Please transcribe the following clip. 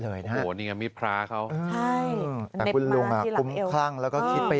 โอ้โหนี่มีพระครัว